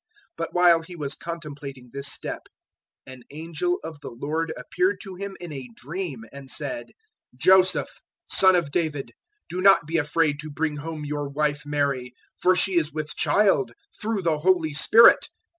001:020 But while he was contemplating this step, an angel of the Lord appeared to him in a dream and said, "Joseph, son of David, do not be afraid to bring home your wife Mary, for she is with child through the Holy Spirit.